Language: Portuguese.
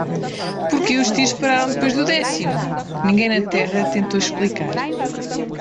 Por que os tiros pararam depois do décimo? que ninguém na Terra tentou explicar.